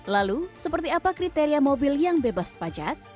lalu seperti apa kriteria mobil yang bebas pajak